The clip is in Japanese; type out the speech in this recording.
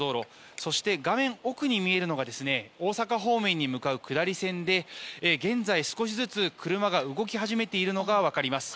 そして、画面奥に見えるのが大阪方面に向かう下り線で、現在少しずつ車が動き始めているのが分かります。